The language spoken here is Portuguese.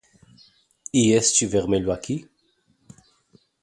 E este vermelho aqui?